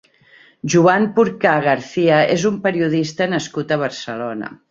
Joan Porcar Garcia és un periodista nascut a Barcelona.